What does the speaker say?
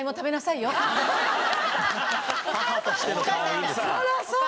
あらそう。